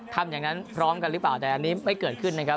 ทำอย่างนั้นพร้อมกันหรือเปล่าแต่อันนี้ไม่เกิดขึ้นนะครับ